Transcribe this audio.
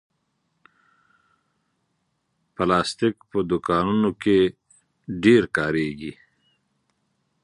پلاستيک په دوکانونو کې ډېر کارېږي.